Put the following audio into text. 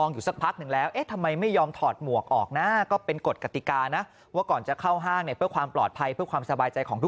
นี้กลายเป็นตำรวจน่าเหมือนกับ